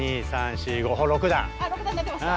６段になってました？